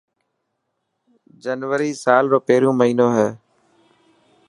جنوري سلا رو پهريون مهينو هي.